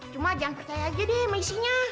cuma jangan percaya aja deh sama isinya